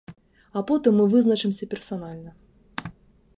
А потым мы вызначымся персанальна.